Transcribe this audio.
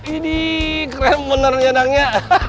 ini keren benernya dangnya